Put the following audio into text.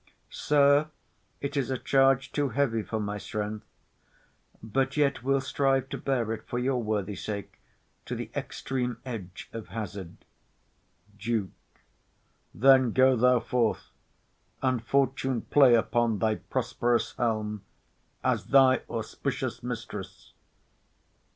Sir, it is A charge too heavy for my strength; but yet We'll strive to bear it for your worthy sake To th'extreme edge of hazard. DUKE. Then go thou forth; And fortune play upon thy prosperous helm, As thy auspicious mistress!